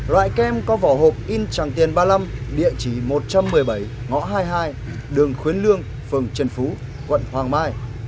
loại kem có vỏ hộp in tràng tiền ba mươi năm địa chỉ một trăm một mươi bảy ngõ hai mươi hai đường khuyến lương phường trần phú quận hoàng mai